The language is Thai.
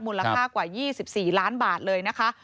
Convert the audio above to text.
มูลค่ากว่า๒๔ล้านบาทเลยนะคะ